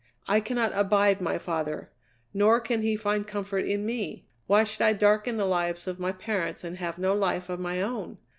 I cannot abide my father; nor can he find comfort in me. Why should I darken the lives of my parents and have no life of my own?